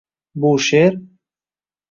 «Bu she’r